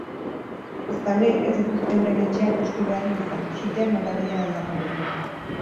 Biztanleek ez dituzte euren etxeak hustu beharrik izan, suteak norabidea aldatu baitu.